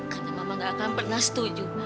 karena mama gak akan pernah setuju